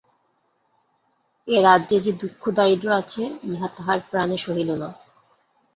এ রাজ্যে যে দুঃখ দারিদ্র্য আছে, ইহা তাহার প্রাণে সহিল না।